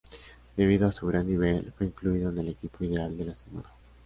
Debido a su gran nivel, fue incluido en el equipo ideal de la semana.